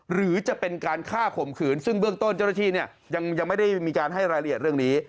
หรือจะเป็นการฆ่าข่มขืนซึ่งเบื้องต้นเจ้าหน้าที่เนี่ยยังไม่ได้มีการให้รายละเอียดเรื่องนี้